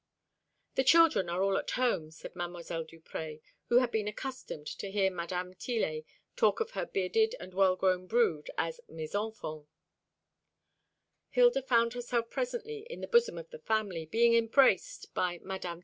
"The children are all at home," said Mdlle. Duprez, who had been accustomed to hear Mdme. Tillet talk of her bearded and well grown brood as "mes enfants." Hilda found herself presently in the bosom of the family, being embraced by Mdme.